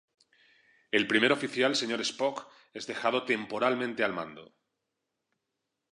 El primer oficial Sr. Spock es dejado temporalmente al mando.